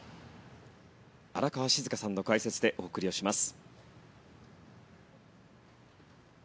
荒川静香さんの解説でお送りします。